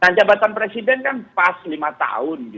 nah jabatan presiden kan pas lima tahun gitu loh